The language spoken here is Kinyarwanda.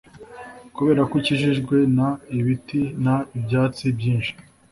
Kubera ko ukikijwe n ibiti n ibyatsi byinshi